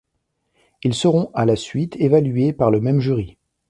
Ils seront à la suite évalués par le même jury.